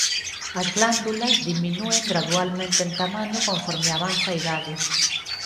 As glándulas diminúen gradualmente en tamaño conforme avanza a idade.